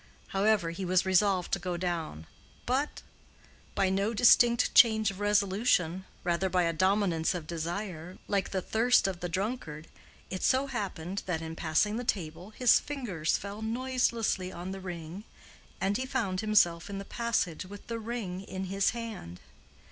However he was resolved to go down; but—by no distinct change of resolution, rather by a dominance of desire, like the thirst of the drunkard—it so happened that in passing the table his fingers fell noiselessly on the ring, and he found himself in the passage with the ring in his hand.